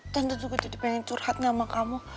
tante juga jadi pengen curhat sama kamu